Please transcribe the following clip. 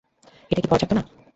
এটা কি পর্যাপ্ত না?